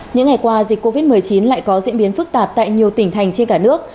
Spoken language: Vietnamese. những ngày qua dịch covid một mươi chín lại có diễn biến phức tạp tại nhiều tỉnh thành trên cả nước